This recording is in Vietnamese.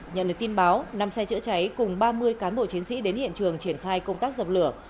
nhận được tin báo năm xe chữa cháy cùng ba mươi cán bộ chiến sĩ đến hiện trường triển khai công tác dập lửa